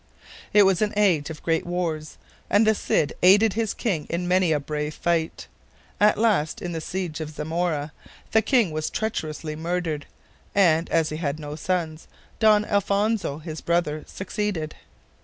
It was an age of great wars, and the Cid aided his king in many a brave fight. At last, in the siege of Zamora, the king was treacherously murdered, and, as he had no sons, Don Alfonso, his brother, succeeded.